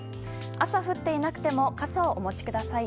朝、降っていなくても傘をお持ちください。